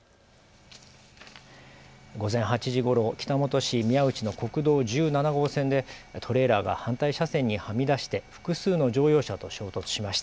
午前８時ごろ北本市宮内の国道１７号線でトレーラーが反対車線にはみ出して複数の乗用車と衝突しました。